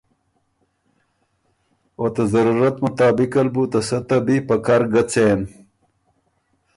او ته ضرورت مطابق ال بُو ته سۀ ته بی په کر ګۀ څېن۔